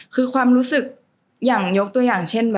คือความรู้สึกอย่างยกตัวอย่างเช่นแบบ